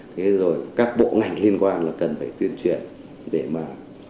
thế rồi các bộ ngành liên quan là cần phải tuyên truyền để mà